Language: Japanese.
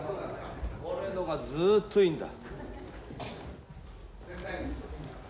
これのがずっといいんだ。